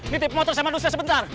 ditip motor sama nusnya sebentar